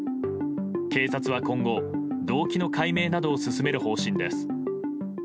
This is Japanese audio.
警察は今後、動機の解明などを進める方針です。